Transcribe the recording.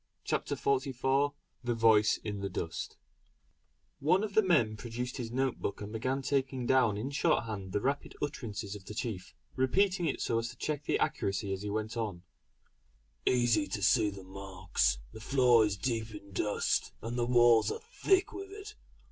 CHAPTER XLIV THE VOICE IN THE DUST One of the men produced his note book and began taking down in shorthand the rapid utterances of the chief, repeating it so as to check the accuracy as he went on: "Easy to see the marks; the floor is deep in dust, and the walls are thick with it.